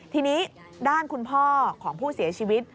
ทีนี้ด้านคุณพ่อของผู้เสียชีวิต